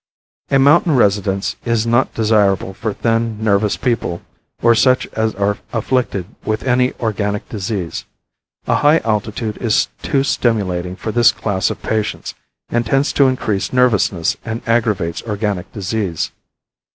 A mountain residence is not desirable for thin, nervous people or such as are afflicted with any organic disease. A high altitude is too stimulating for this class of patients and tends to increase nervousness and aggravates organic disease.